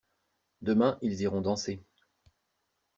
Demain ils iront danser.